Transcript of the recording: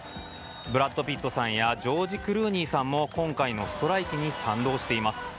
ブラッド・ピットさんやジョージ・クルーニーさんも今回のストライキに賛同しています。